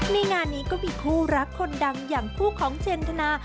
งานนี้ก็มีคู่รักคนดังอย่างคู่ของเจนทนา